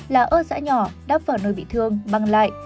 lá ớt rã nhỏ đắp vào nơi bị thương băng lại